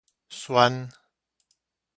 漩